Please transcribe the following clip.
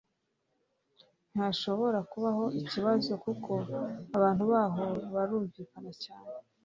ntihashobora kubaho ibibazo kuko abantu baho barumvikana cyane